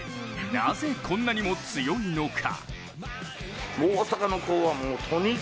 なぜこんなにも強いのか。